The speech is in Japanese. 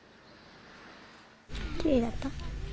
きれいだった。